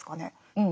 うん。